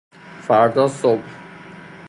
فردا صبح